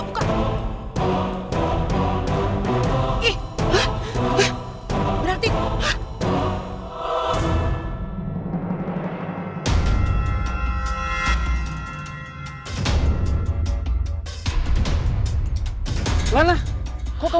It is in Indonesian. buka buranti buka buka